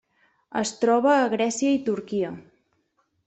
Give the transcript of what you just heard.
Es troba a Grècia i Turquia.